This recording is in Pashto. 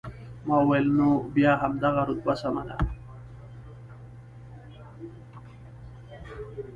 ما وویل، نو بیا همدغه رتبه سمه ده.